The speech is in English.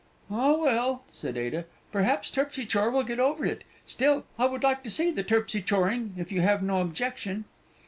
"Ah, well," said Ada, "perhaps Terpsy chore will get over it; still I should like to see the Terpsy choring, if you have no objection."